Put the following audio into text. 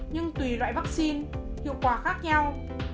nhưng tùy loại vắc xin hiệu quả khác nhau